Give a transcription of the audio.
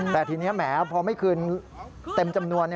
แต่ทีนี้แหมพอไม่คืนเต็มจำนวน